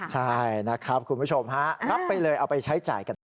ใช่นะครับคุณผู้ชมฮะรับไปเลยเอาไปใช้จ่ายกันต่อ